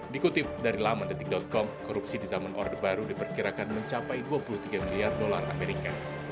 dikutip dari lamandetik com korupsi di zaman orde baru diperkirakan mencapai dua puluh tiga miliar dolar amerika